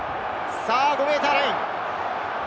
５ｍライン。